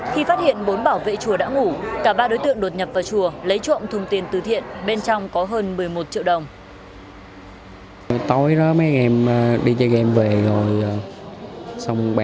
khi phát hiện bốn bảo vệ y tế các đối tượng bị bắt gồm dương thanh nhàn nguyễn văn điều và lê văn sang